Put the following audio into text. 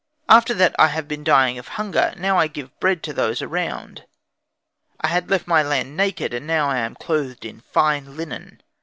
After that I had been dying of hunger, now I give bread to those around. I had left my land naked, and now I am clothed in fine linen.